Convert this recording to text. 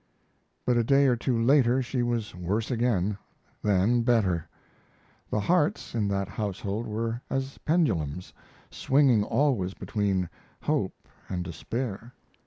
But a day or two later she was worse again then better. The hearts in that household were as pendulums, swinging always between hope and despair.